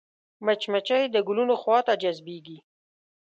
مچمچۍ د ګلونو خوا ته جذبېږي